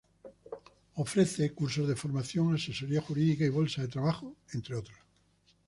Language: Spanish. Ofrece cursos de formación, asesoría jurídica y bolsa de trabajo, entre otros.